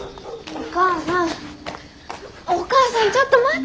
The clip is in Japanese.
お母さんちょっと待って！